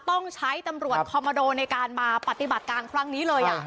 ต้องใช้ตำรวจคอมโมโดในการมาปฏิบัติการครั้งนี้เลย